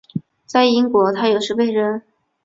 在英国他有时被人。